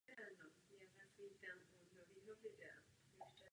A o tom to právě je.